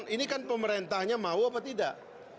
ini kan pemerintahnya mau apa tidak